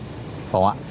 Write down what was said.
phải không ạ